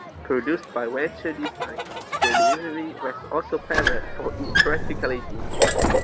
Produced by Venture Design, the livery was also favoured for its practicality.